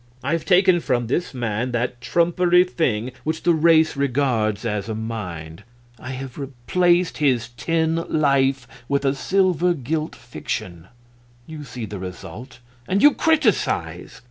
I have taken from this man that trumpery thing which the race regards as a Mind; I have replaced his tin life with a silver gilt fiction; you see the result and you criticize!